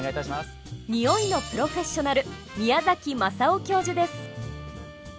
ニオイのプロフェッショナル宮崎雅雄教授です。